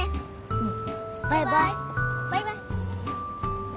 うん。